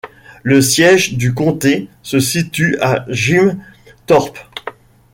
Le siège du comté se situe à Jim Thorpe.